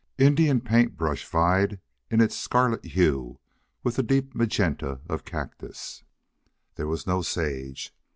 Indian paint brush vied in its scarlet hue with the deep magenta of cactus. There was no sage.